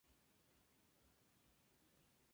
Existe una vacuna preventiva.